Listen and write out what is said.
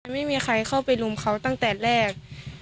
ไม่มีใครเข้าไปรุมเขาตั้งแต่แรก